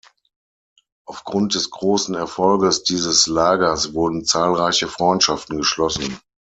Aufgrund des großen Erfolges dieses Lagers wurden zahlreiche Freundschaften geschlossen.